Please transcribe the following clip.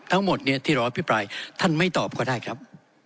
ทั้งหมดเนี่ยที่รออภิปรายท่านไม่ตอบก็ได้ครับ